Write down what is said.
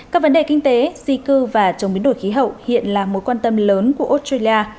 các vấn đề kinh tế di cư và chống biến đổi khí hậu hiện là mối quan tâm lớn của australia